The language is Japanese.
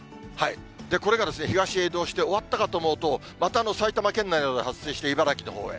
これが東へ移動して、終わったかと思うと、また埼玉県内などで発生して茨城のほうへ。